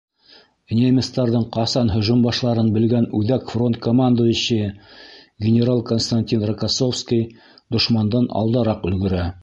Немецтарҙың ҡасан һөжүм башларын белгән Үҙәк фронт командующийы генерал Константин Рокоссовский дошмандан алдараҡ өлгөрә.